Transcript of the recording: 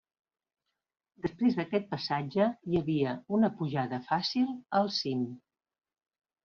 Després d'aquest passatge hi havia una pujada fàcil al cim.